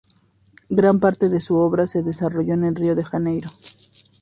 Gran parte de su obra se desarrolló en Río de Janeiro.